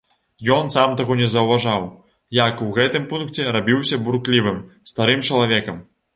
Ён сам таго не заўважаў, як у гэтым пункце рабіўся бурклівым старым чалавекам.